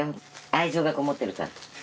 愛情がこもってるから。